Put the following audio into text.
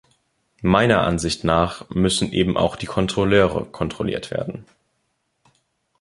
Meiner Ansicht nach müssen eben auch die Kontrolleure kontrolliert werden.